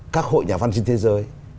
các hội nhà văn sinh thế giới